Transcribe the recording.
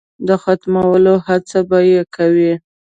د ختمولو هڅه به یې کوي.